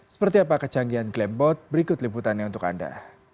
seperti apa kecanggihan glambot berikut liputannya untuk anda